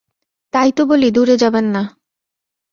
তাই তো বলি, দূরে যাবেন না।